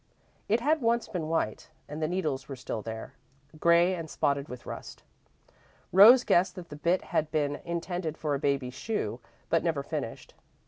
It had once been white, and the needles were still there, grey and spotted with rust. Rose guessed that the bit had been intended for a baby's shoe, but never finished.